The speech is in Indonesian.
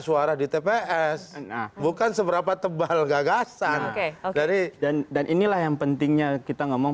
suara di tps bukan seberapa tebal gagasan dari dan dan inilah yang pentingnya kita ngomong